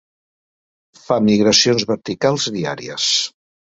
Fa migracions verticals diàries.